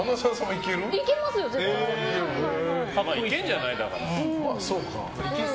いけるんじゃない、だから。